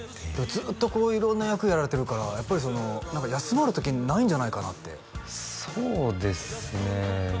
ずっとこう色んな役やられてるからやっぱり何か休まる時ないんじゃないかなってそうですね